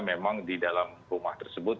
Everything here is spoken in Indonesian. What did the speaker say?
memang di dalam rumah tersebut